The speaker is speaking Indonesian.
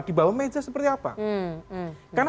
di bawah meja seperti apa karena